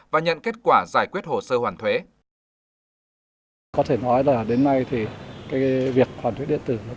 và nhận kết quả giải quyết hồ sơ hoàn thuế